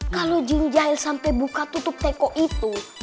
kalo jin jahil sampe buka tutup teko itu